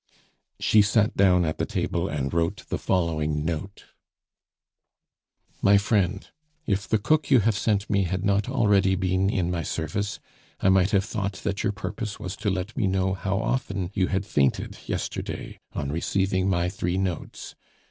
She sat down at the table and wrote the following note: "MY FRIEND, If the cook you have sent me had not already been in my service, I might have thought that your purpose was to let me know how often you had fainted yesterday on receiving my three notes.